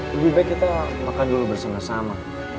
lebih baik kita makan dulu bersama sama